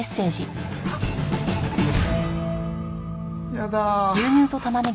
やだ。